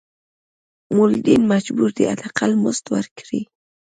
مولدین مجبور دي حد اقل مزد ورکړي.